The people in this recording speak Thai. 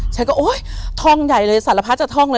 ฉันก็โอ๊ยท่องใหญ่เลยสารพัดจากท่องเลย